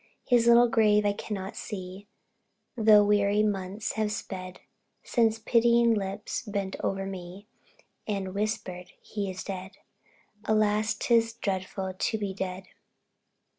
His little grave I cannot see, Though weary months have sped Since pitying lips bent over me, And whispered, "He is dead!" Alas 'Tis dreadful to be dead!